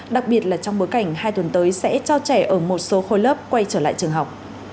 đặc biệt là trong bối cảnh hai tuần tới sẽ cho trẻ ở một số khối lớp quay trở lại trường học